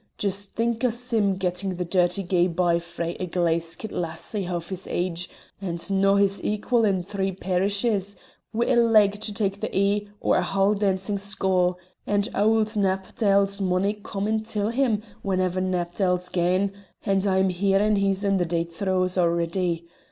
Just think o' Sim gettin' the dirty gae bye frae a glaikit lassie hauf his age; and no' his equal in the three parishes, wi' a leg to tak' the ee o' a hal dancin' school, and auld Knapdale's money comin' till him whenever Knapdale's gane, and I'm hearin' he's in the deid thraws already.